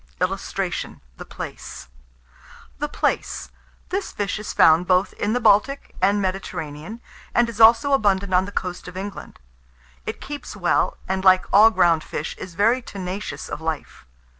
[Illustration: THE PLAICE.] THE PLAICE. This fish is found both in the Baltic and the Mediterranean, and is also abundant on the coast of England. It keeps well, and, like all ground fish, is very tenacious of life.